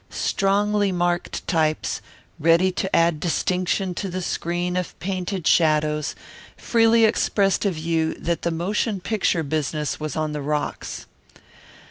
Strongly marked types, ready to add distinction to the screen of painted shadows, freely expressed a view that the motion picture business was on the rocks.